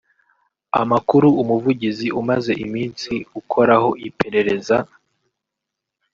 Amakuru Umuvugizi umaze iminsi ukoraho iperereza